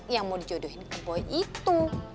yang mau dijodohin ke boy itu